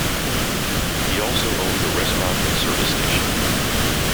He also owned a restaurant and service station.